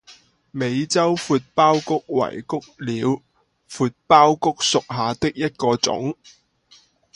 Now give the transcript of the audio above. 美洲阔苞菊为菊科阔苞菊属下的一个种。